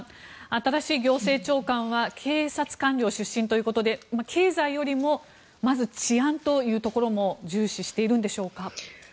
新しい行政長官は警察官僚出身ということで経済よりもまず治安というところも重視しているんでしょうか。